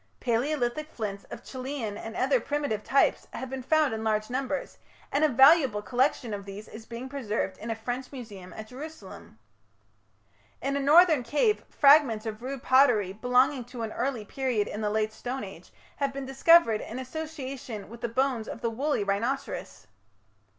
Palaeolithic flints of Chellean and other primitive types have been found in large numbers, and a valuable collection of these is being preserved in a French museum at Jerusalem. In a northern cave fragments of rude pottery, belonging to an early period in the Late Stone Age, have been discovered in association with the bones of the woolly rhinoceros.